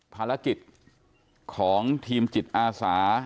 ภารกิจของทีมจิตอาสา